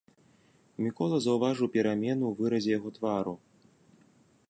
Мікола заўважыў перамену ў выразе яго твару.